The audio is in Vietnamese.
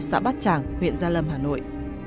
xã bát trảng huyện gia lâm hà nội